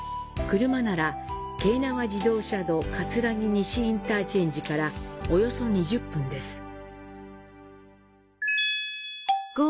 車なら京奈和自動車道かつらぎ西インターチェンジから約２０分です。